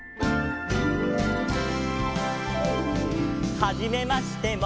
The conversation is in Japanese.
「はじめましても」